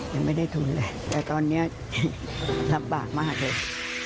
ยังไม่ได้ทุนเลยแต่ตอนนี้ลำบากมากเลย